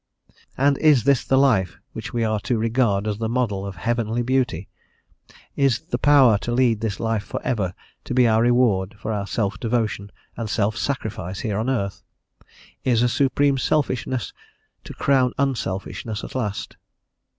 And is this the life which we are to regard as the model of heavenly beauty? Is the power to lead this life for ever to be our reward for self devotion and self sacrifice here on earth? Is a supreme selfishness to crown unselfishness at last?